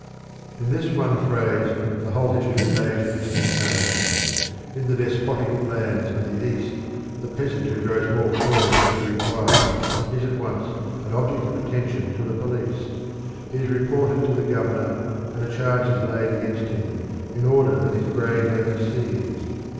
In this one phrase the whole history of Asia is contained. In the despotic lands of the East, the peasant who grows more corn than he requires is at once an object of attention to the police; he is reported to the governor, and a charge is laid against him, in order that his grain may be seized.